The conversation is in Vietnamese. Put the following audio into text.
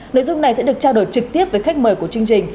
nội dung này sẽ được trao đổi trực tiếp với khách mời của chương trình